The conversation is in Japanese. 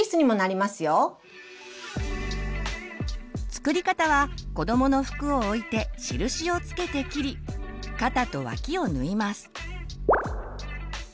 作り方はこどもの服を置いて印を付けて切り肩と脇を縫います。